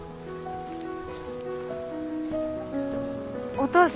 お父さん。